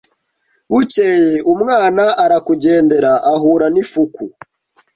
Bukeye umwana arakugendera ahura n' ifuku